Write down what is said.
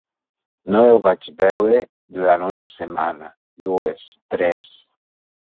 No el vaig veure durant una setmana, dues, tres.